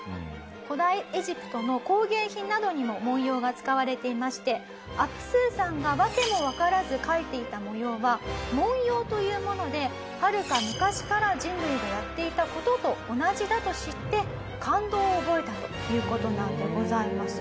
古代エジプトの工芸品などにも文様が使われていましてアプスーさんが訳もわからず描いていた模様は文様というものではるか昔から人類がやっていた事と同じだと知って感動を覚えたという事なんでございます。